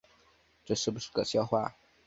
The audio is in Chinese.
这是不是个笑话